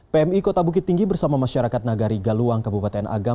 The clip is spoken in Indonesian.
pmi kota bukit tinggi bersama masyarakat nagari galuang kabupaten agam